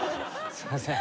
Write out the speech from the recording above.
すいません。